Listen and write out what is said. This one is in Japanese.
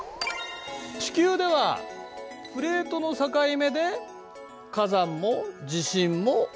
地球ではプレートの境目で火山も地震も起きる。